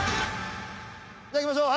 ・じゃいきましょう。